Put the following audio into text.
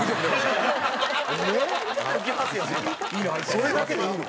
それだけでいいの？